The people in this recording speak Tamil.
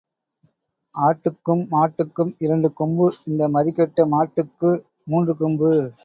ஆட்டுக்கும் மாட்டுக்கும் இரண்டு கொம்பு இந்த மதிகெட்ட மாட்டுக்கு மூன்று கொம்பு.